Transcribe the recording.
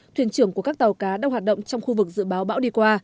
thuyền trưởng của các tàu cá đang hoạt động trong khu vực dự báo bão đi qua